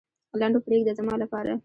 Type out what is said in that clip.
لنډو پرېږده زما لپاره.